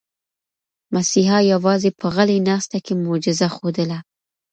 مسیحا یوازې په غلې ناسته کې معجزه ښودله.